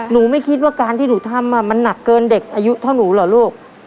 หนูไม่คิดว่าการที่หนูทำมันหนักเกินเด็กอายุเท่าหนูเหรอลูก